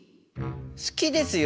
好きですよ。